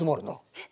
えっ？